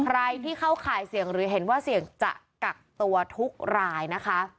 ใครที่เข้าข่ายเสี่ยงหรือเห็นว่าเสี่ยงจะกักตัวทุกรายนะคะ